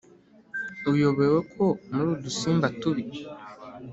uyobewe ko muri udusimba tubi,